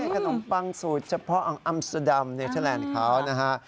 ขนมปังสูตรเฉพาะอัมสุดามในเมืองใหญ่